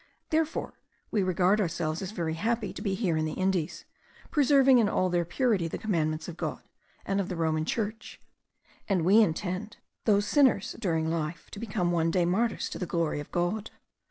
Therefore we regard ourselves as very happy to be here in the Indies, preserving in all their purity the commandments of God, and of the Roman Church; and we intend, though sinners during life, to become one day martyrs to the glory of God.